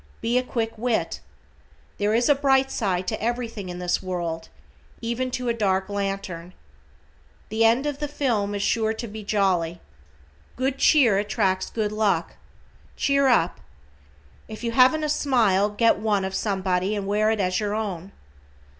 Be a quick wit. There is a bright side to everything in this world, even to a dark lantern. The end of the film is sure to be jolly. Good cheer attracts good luck. Cheer up. If you haven't a smile get one of somebody and wear it as your own.